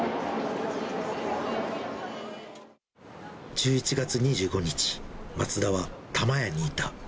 １１月２５日、松田は玉やにいた。